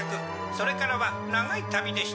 それからは長い旅でした。